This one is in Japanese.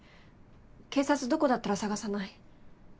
警察どこだったら探さない？